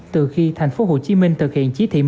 từ khi thành phố hồ chí minh thực hiện tình trạng hô hấp